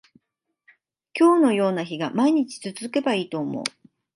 今日のような日が毎日続けばいいと思う